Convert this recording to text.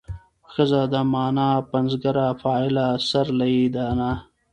ښځه د مانا پنځګره فاعله سرلې ده نه